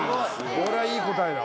これはいい答えだわ